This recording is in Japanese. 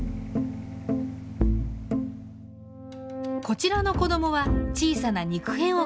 こちらの子どもは小さな肉片を確保。